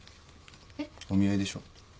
えっ？お見合いでしょ？